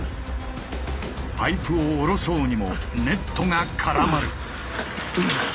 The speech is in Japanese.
パイプを下ろそうにもネットが絡まる。